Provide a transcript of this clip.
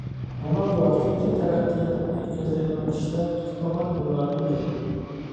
مانا بۇ ھەقىقىي تەرەققىياتنى كۆزلەيدىغان كىشىلەر تۇتىدىغان يوللارنىڭ بىرى.